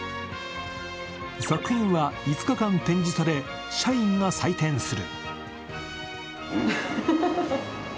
作品は５日間展示され、社員が採点する。